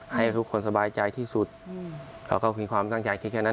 ให้ทุกคนสบายใจที่สุดเขาก็มีความตั้งใจคิดแค่นั้น